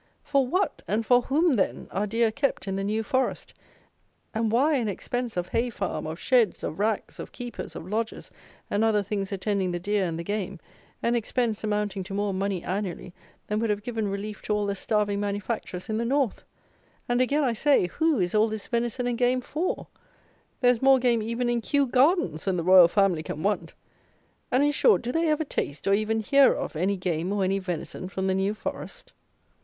For what, and for whom, then, are deer kept, in the New Forest; and why an expense of hay farm, of sheds, of racks, of keepers, of lodges, and other things attending the deer and the game; an expense, amounting to more money annually than would have given relief to all the starving manufacturers in the North! And again I say, who is all this venison and game for? There is more game even in Kew Gardens than the Royal Family can want! And, in short, do they ever taste, or even hear of, any game, or any venison, from the New Forest?